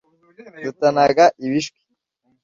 Dutanaga ibishwi